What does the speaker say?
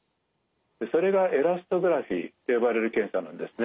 それがエラストグラフィと呼ばれる検査なんですね。